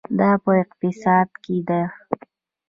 دا په اقتصاد کې ده.